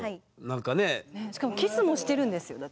しかもキスもしてるんですよだって。